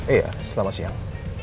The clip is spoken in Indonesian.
iya selamat siang